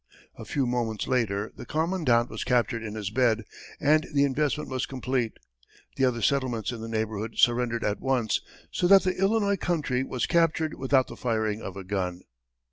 A few moments later, the commandant was captured in his bed, and the investment was complete. The other settlements in the neighborhood surrendered at once, so that the Illinois country was captured without the firing of a gun.